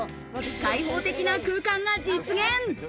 開放的な空間が実現。